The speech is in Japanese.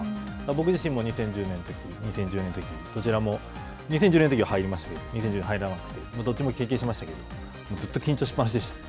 僕自身も２０１０年のとき２０１４年のときはどちらも２０１０年のときは入りましたけどどっちも経験しましたけどずっと緊張していました。